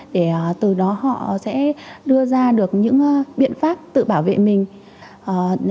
để từ đó họ sẽ đưa ra được những biện pháp tự bảo vệ mình